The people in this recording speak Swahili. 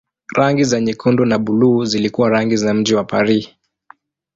Rangi za nyekundu na buluu zilikuwa rangi za mji wa Paris.